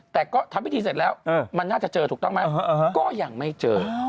แต่ก็ทำพิธีเสร็จแล้วมันน่าจะเจอถูกต้องไหมก็ยังไม่เจอ